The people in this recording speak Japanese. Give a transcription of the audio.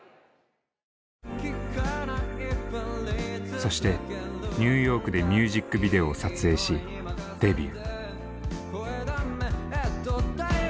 そしてニューヨークでミュージックビデオを撮影しデビュー。